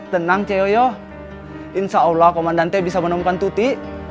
tenang ceyoyo insya allah komandante bisa menemukan tuti